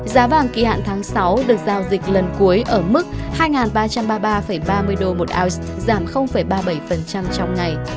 giá vàng kỳ hạn tháng sáu được giao dịch lần cuối ở mức hai ba trăm ba mươi ba ba mươi đô một ounce giảm ba mươi bảy trong ngày